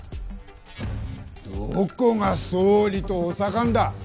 どこが総理と補佐官だ。